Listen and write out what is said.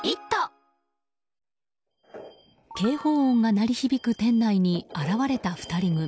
警報音が鳴り響く店内に現れた２人組。